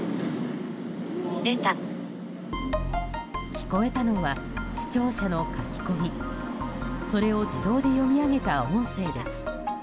聞こえたのは視聴者の書き込みそれを自動で読み上げた音声です。